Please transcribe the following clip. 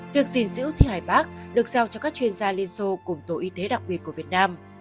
việc gìn giữ thi hải bác được giao cho các chuyên gia liên xô cùng tổ y tế đặc biệt của việt nam